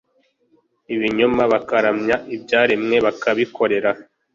ibinyoma bakaramya ibyaremwe bakabikorera